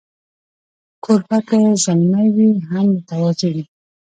کوربه که زلمی وي، هم متواضع وي.